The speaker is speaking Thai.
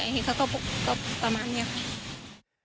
เห็นไหมเขาก็ประมาณนี้